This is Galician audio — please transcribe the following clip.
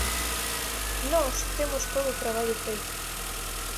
Nós temos todo o traballo feito.